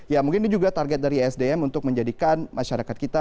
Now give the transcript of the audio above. ya mungkin ini juga target dari esdm untuk menjadikan masyarakat kita